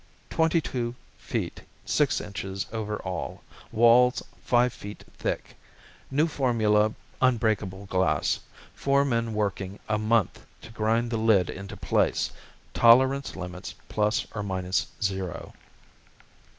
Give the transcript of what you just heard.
Twenty two feet six inches over all, walls five feet thick, new formula unbreakable glass, four men working a month to grind the lid into place, tolerance limits plus or minus zero."